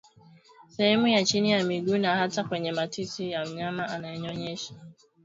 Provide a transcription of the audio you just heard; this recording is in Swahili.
sehemu ya chini ya miguu na hata kwenye matiti ya mnyama anayenyonyesha